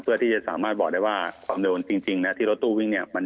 เพื่อที่จะสามารถบอกได้ว่าความเร็วจริงนะที่รถตู้วิ่งเนี่ย